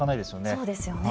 そうですよね。